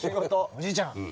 おじいちゃん。